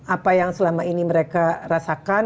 apa yang selama ini mereka rasakan